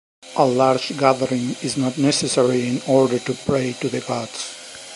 A large gathering is not necessary in order to pray to the gods.